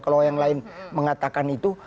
kalau yang lain mengatakan itu